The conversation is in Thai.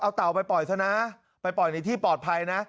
เอาเต่าไปปล่อยซะนะไปปล่อยในที่ปลอดภัยนะ